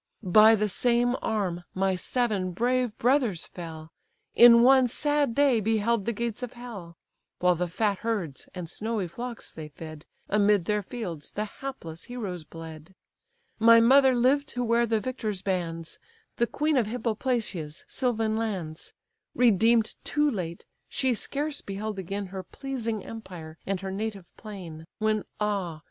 "By the same arm my seven brave brothers fell; In one sad day beheld the gates of hell; While the fat herds and snowy flocks they fed, Amid their fields the hapless heroes bled! My mother lived to wear the victor's bands, The queen of Hippoplacia's sylvan lands: Redeem'd too late, she scarce beheld again Her pleasing empire and her native plain, When ah!